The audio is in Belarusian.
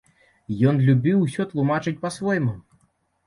Ён любіў усё тлумачыць па-свойму.